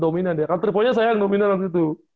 dominan dia kan triple nya sayang dominan waktu itu